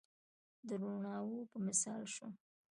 د روڼاوو په مثال شوم